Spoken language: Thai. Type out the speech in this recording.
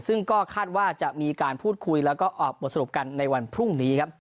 ซึ่งก็คาดว่าจะมีการพูดคุยแล้วก็ออกบทสรุปกันในวันพรุ่งนี้ครับ